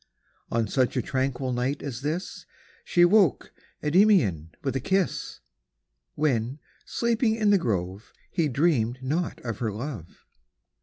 On such a tranquil night as this, io She woke Kndymion with a kis^, When, sleeping in tin grove, He dreamed not of her love.